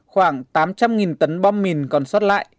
khoảng tám trăm linh tấn bom mìn còn sót lại